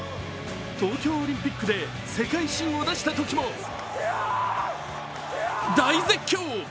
東京オリンピックで世界新を出したときも大絶叫。